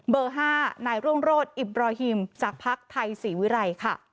เบอร์ห้านายร่วงโรธอิบรอยฮิมจากพักไทยศรีวิรัยค่ะ